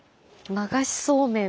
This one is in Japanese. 流しそうめん。